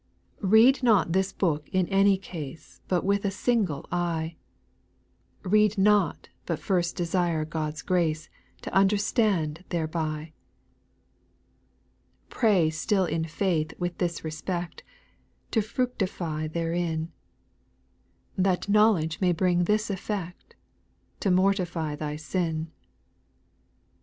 5. Read not this book in any case But with a single eye ; Read not but first desire God's grace To understand thereby. 6. Pray still in faith with this respect, To fructify therein ; That knowledge may bring this effect, To mortity thy sin.